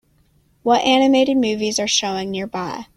What animated movies are showing nearby